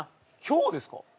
今日ですか？